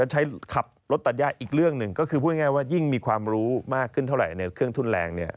ใช้ขับรถตัดย่าอีกเรื่องหนึ่งก็คือพูดง่ายว่ายิ่งมีความรู้มากขึ้นเท่าไหร่ในเครื่องทุนแรงเนี่ย